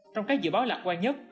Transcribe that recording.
trong các dự báo lạc quan nhất